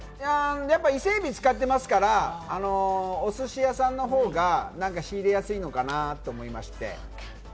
伊勢海老を使ってますから、お寿司屋さんのほうが仕入れやすいのかなと思いまして。